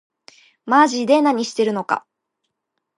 まぢで何してるのか